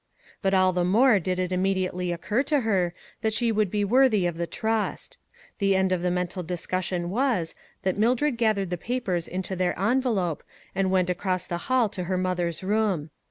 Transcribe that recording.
But all the more did it immediately occur to her that she should be worthy of the trust. The end of the mental discussion was, that Mildred gathered the papers into their envelope and went across the hall to her mother's room.